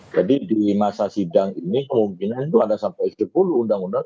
jadi di masa sidang ini kemungkinan itu ada sampai sepuluh undang undang